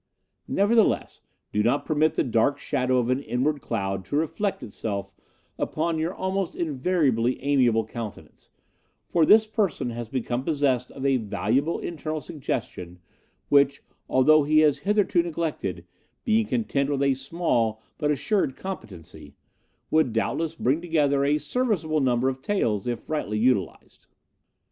'Nevertheless, do not permit the dark shadow of an inward cloud to reflect itself upon your almost invariably amiable countenance, for this person has become possessed of a valuable internal suggestion which, although he has hitherto neglected, being content with a small but assured competency, would doubtless bring together a serviceable number of taels if rightly utilized.